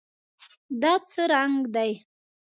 دا څه رنګ دی؟